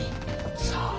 さあ？